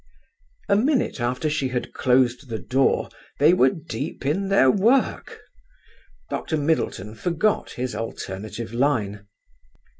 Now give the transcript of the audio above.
A minute after she had closed the door they were deep in their work. Dr. Middleton forgot his alternative line.